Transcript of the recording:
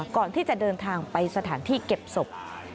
ก่อนที่จะเดินทางไปสถานที่เก็บศพ